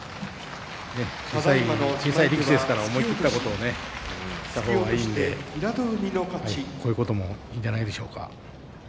小さい力士ですから思い切ったことをした方がいいので、こういうこともいいんじゃないでしょうか。